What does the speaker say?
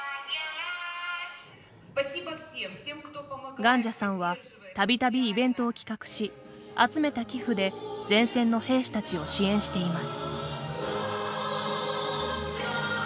ガンジャさんはたびたびイベントを企画し集めた寄付で前線の兵士たちを支援しています。